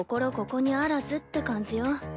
ここにあらずって感じよ。